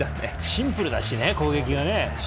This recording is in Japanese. シンプルだしね、攻撃がね。